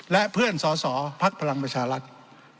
และเพื่อนศศภพประชาลัทธ์